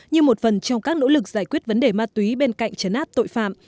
như một phần trong các nỗ lực giải quyết vấn đề ma túy bên cạnh chấn áp tội phạm